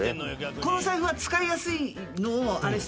この財布は使いやすいのをあれして。